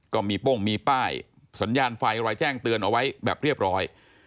ก็มีโป้งมีป้ายสัญญาณไฟอะไรแจ้งเตือนเอาไว้แบบเรียบร้อย